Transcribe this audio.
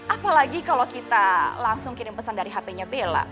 apalagi kalau kita langsung kirim pesan dari hp nya bella